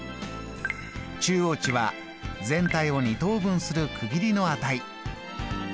中央値は全体を２等分する区切りの値。